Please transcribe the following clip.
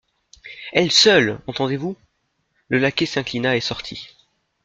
Elle seule, entendez-vous ? Le laquais s'inclina et sortit.